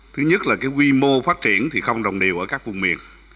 thứ nhất là cái quy mô phát triển thì không đồng đều ở các vùng miền